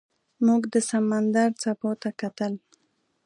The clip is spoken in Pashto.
موږ د سمندر څپو ته کتل.